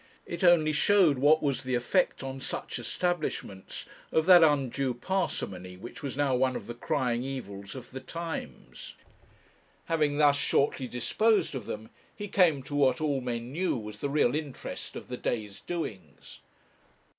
It only showed what was the effect on such establishments of that undue parsimony which was now one of the crying evils of the times. Having thus shortly disposed of them, he came to what all men knew was the real interest of the day's doings.